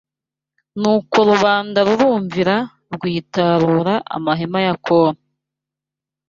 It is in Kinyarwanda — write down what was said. Nuko rubanda rurumvira rwitarura amahema ya Kora